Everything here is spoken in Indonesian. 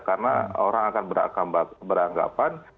karena orang akan beranggapan